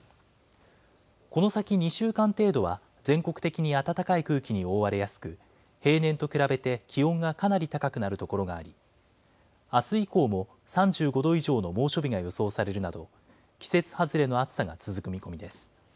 この先２週間程度は、全国的に暖かい空気に覆われやすく、平年と比べて気温がかなり高くなる所があり、あす以降も３５度以上の猛暑日が予想されるなど、季節外れの暑さが続く見込みです。